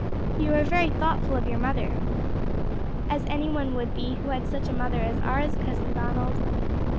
"You are very thoughtful of your mother." "As any one would be who had such a mother as ours, Cousin Donald."